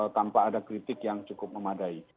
tanpa ada kritik yang cukup memadai